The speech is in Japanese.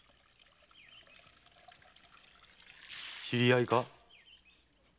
知り合いか？